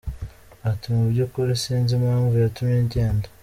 Ati ’’Mu by’ukuri sinzi impamvu yatumye agenda.